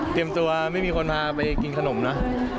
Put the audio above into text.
เตรียมตัวไม่มีคนพาไปกินขนมนะ